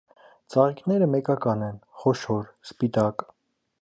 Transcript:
Ծաղիկները մեկական են, խոշոր, սպիտակ։